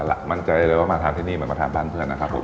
ล่ะมั่นใจได้เลยว่ามาทานที่นี่เหมือนมาทานบ้านเพื่อนนะครับผม